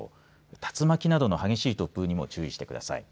竜巻など激しい突風にも注意してください。